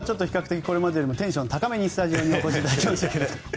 今日は比較的これまでよりテンション高めでスタジオにお越しいただきましたけれども。